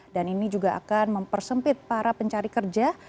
dan ini juga akan mempersempit para pencari kerja